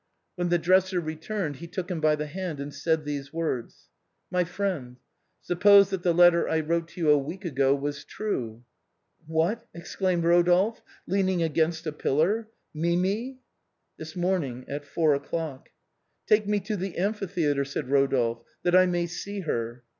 When the dresser returned he took him by the hand and said these words: "My friend, suppose that the letter I wrote to you a week ago was true ?"" What !" exclaimed Eodolphe, leaning against a pillar, " Mimi "" This morning at four o'clock." " Take me to the amphitheatre," said Eodolphe, " that I may see her."